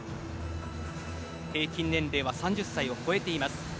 平均年齢は３０歳を超えています。